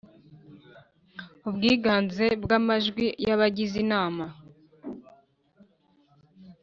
ubwiganze bw amajwi y abagize Inama